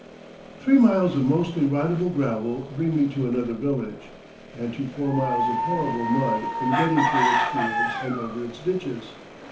Three miles of mostly ridable gravel bring me to another village, and to four miles of horrible mud in getting through its fields and over its ditches.